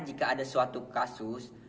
jika ada suatu kasus